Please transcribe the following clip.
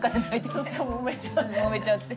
ちょっともめちゃって。